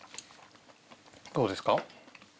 どうですか？